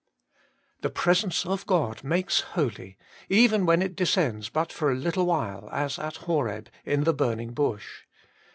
THE Presence of God makes holy, even when it descends but for a little while, as at Horeb, in the burning bush.